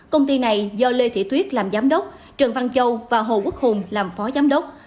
công ty này do lê thị tuyết làm giám đốc trần văn châu và hồ quốc hùng làm phó giám đốc